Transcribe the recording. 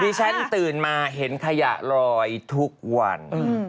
ฉันตื่นมาเห็นขยะลอยทุกวัน